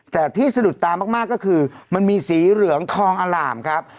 แต่ที่สะดุดตามากก็คือมันมีสีเหลืองทองอล่ามครับ